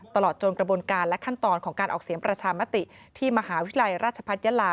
ตลอดจนกระบวนการและขั้นตอนของการออกเสียงประชามติที่มหาวิทยาลัยราชพัฒนยาลา